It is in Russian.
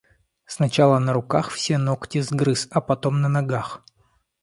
Сначала на руках все ногти сгрыз, а потом на ногах.